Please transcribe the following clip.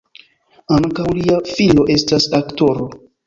Ankaŭ lia filo estas aktoro.